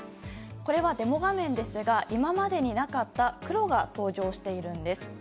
これは、デモ画面ですが今までになかった黒が登場しているんです。